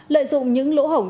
lợi dụng những lỗ hợp